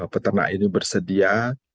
peternak ini bersedia